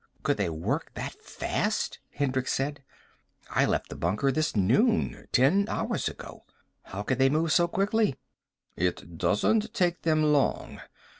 "Could they work that fast?" Hendricks said. "I left the bunker this noon. Ten hours ago. How could they move so quickly?" "It doesn't take them long.